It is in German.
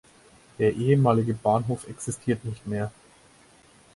Der ehemalige Bahnhof existiert nicht mehr.